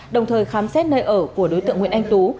đồng thời khám xét nơi ở của đối tượng nguyễn anh tú